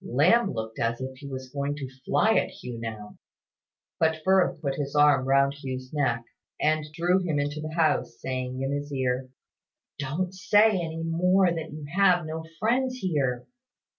Lamb looked as if he was going to fly at Hugh now: but Firth put his arm round Hugh's neck, and drew him into the house, saying in his ear "Don't say any more that you have no friends here.